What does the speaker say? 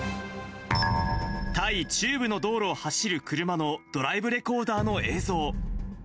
タイ中部の道路を走る車のドライブレコーダーの映像。